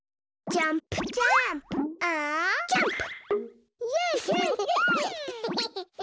ジャーンプ！